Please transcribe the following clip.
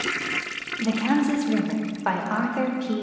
] THE KANSAS RIVER By Arthur P.